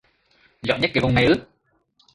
Giỏi nhất cái vùng này ư